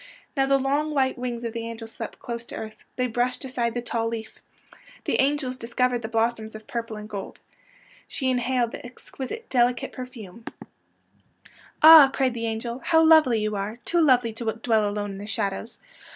Now the long white wings of the angel swept close to earth. They brushed aside the tall leaf. The angel dis covered the blossoms of purple and gold. She inhaled the exquisite, delicate perfume. 87 88 PANSY AND FORGET ME NOT '' Ah! '^ cried the angel. '' How lovely you are ! Too lovely to dwell alone in the shadows.